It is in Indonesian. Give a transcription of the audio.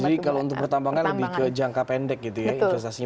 jadi kalau untuk pertambangan lebih ke jangka pendek gitu ya investasinya